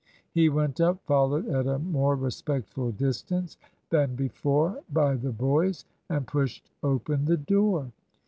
He went up, followed at a more respectful distance than before by the boys, and pushed open the door.